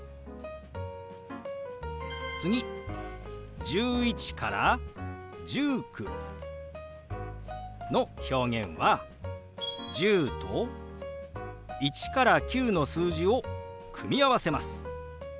次１１から１９の表現は「１０」と１から９の数字を組み合わせます。